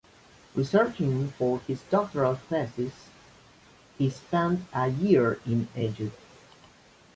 Researching for his doctoral thesis, he spent a year in Egypt.